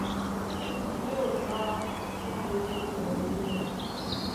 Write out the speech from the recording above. Ní unmbá nú muútú na ŋgínya.